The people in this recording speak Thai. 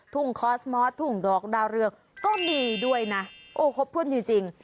คอสมอสทุ่งดอกดาวเรืองก็มีด้วยนะโอ้ครบถ้วนจริง